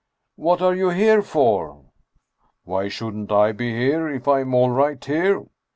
" What are you here for ?"" Why shouldn't I be here, if I am all right here?